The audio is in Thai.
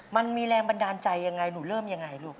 มันมีแรงบันดาลใจยังไงหนูเริ่มยังไงลูก